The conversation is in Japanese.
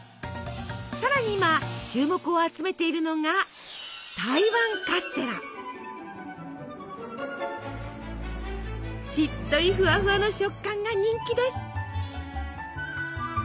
更に今注目を集めているのがしっとりフワフワの食感が人気です。